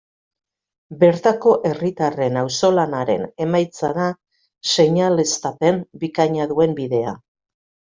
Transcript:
Bertako herritarren auzolanaren emaitza da seinaleztapen bikaina duen bidea.